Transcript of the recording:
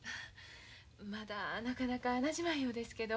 まだなかなかなじまんようですけど。